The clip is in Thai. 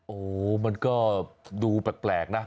โอ้โหมันก็ดูแปลกนะ